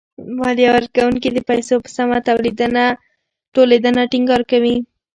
ماليه ورکوونکي د پيسو په سمه ټولېدنه ټېنګار کوي.